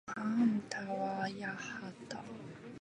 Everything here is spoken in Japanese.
はあんたはやはた